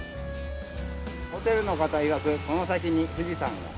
ホテルの方いわくこの先に富士山が。